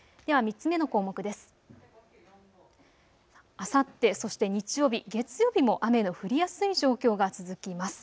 あさって、そして日曜日、月曜日も雨の降りやすい状況が続きます。